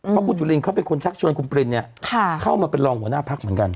เพราะคุณจุลินเขาเป็นคนชักชวนคุณปรินเข้ามาเป็นรองหัวหน้าพักเหมือนกัน